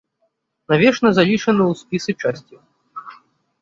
Навечна залічаны ў спісы часці.